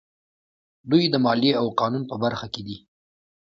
دوی د مالیې او قانون په برخه کې دي.